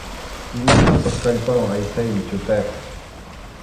Imatapas kallpawan aysaymi chutayqa.